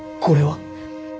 「これは？」。